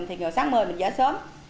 thì sáng mưa mình dỡ sớm